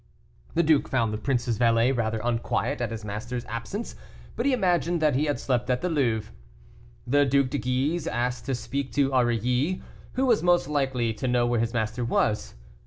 The duke found the prince's valet rather unquiet at his master's absence, but he imagined that he had slept at the Louvre. The Due de Guise asked to speak to Aurilly, who was most likely to know where his master was.